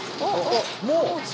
もう？